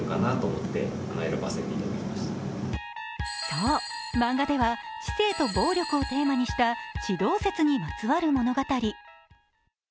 そう、漫画では知性と暴力をテーマにした地動説にまつわる物語。